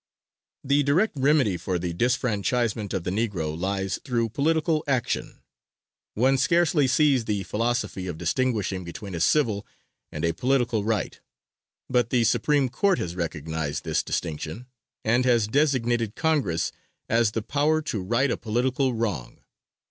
The direct remedy for the disfranchisement of the Negro lies through political action. One scarcely sees the philosophy of distinguishing between a civil and a political right. But the Supreme Court has recognized this distinction and has designated Congress as the power to right a political wrong.